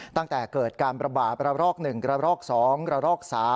ตั้งแต่เกิดการประบาดระลอก๑กระรอก๒กระรอก๓